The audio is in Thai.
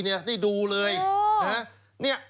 ได้ดูเลย